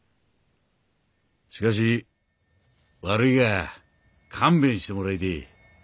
しかし悪いが勘弁してもらいてえ。